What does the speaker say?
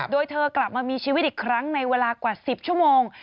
โดยเธอกลับมามีชีวิตอีกครั้งในเวลากว่า๑๐ชั่วโมง